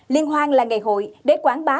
liên hoan là ngày hội để quảng bá